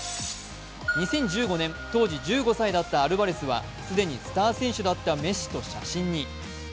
２０１５年当時１５歳だったアルバレスは既にスター選手だったメッシと写真に。